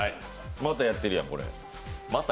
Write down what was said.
またやってるやん、これ。